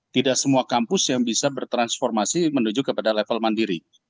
tidak semua kampus yang bisa bertransformasi menuju kepada level mandiri